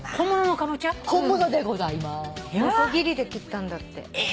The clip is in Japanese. のこぎりで切ったんだって。え！？